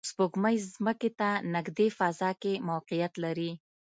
سپوږمۍ ځمکې ته نږدې فضا کې موقعیت لري